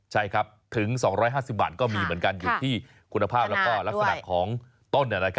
ใช่ครับถึง๒๕๐บาทก็มีเหมือนกันอยู่ที่คุณภาพแล้วก็ลักษณะของต้น